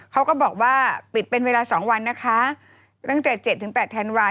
เขาก็บอกว่าปิดเป็นเวลาสองวันนะคะตั้งแต่เจ็ดถึงแปดธันวาล